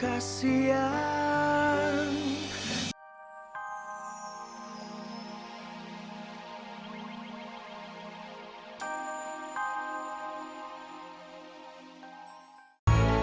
disini aja sendirian